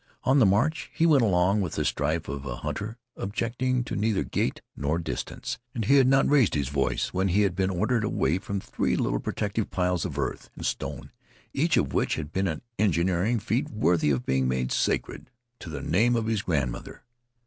On the march he went along with the stride of a hunter, objecting to neither gait nor distance. And he had not raised his voice when he had been ordered away from three little protective piles of earth and stone, each of which had been an engineering feat worthy of being made sacred to the name of his grandmother.